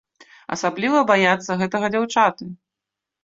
Асабліва баяцца гэтага дзяўчаты.